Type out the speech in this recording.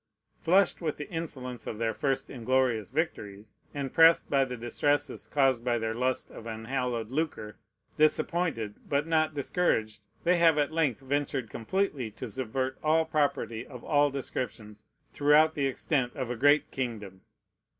Flushed with the insolence of their first inglorious victories, and pressed by the distresses caused by their lust of unhallowed lucre, disappointed, but not discouraged, they have at length ventured completely to subvert all property of all descriptions throughout the extent of a great kingdom.